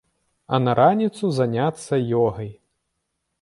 А на раніцу заняцца ёгай.